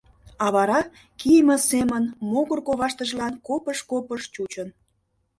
А вара, кийыме семын, могыр коваштыжлан копыж, копыж чучын.